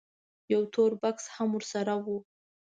یو تور بکس هم ورسره و.